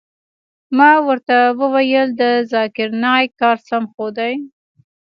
ما ورته وويل د ذاکر نايک کار سم خو دى.